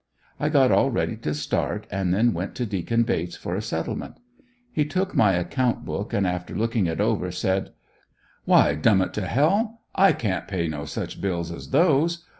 I got all ready to start and then went to Deacon Bates for a settlement. He took my account book and, after looking it over, said: "Why, Dum it to h l, I can't pay no such bills as those!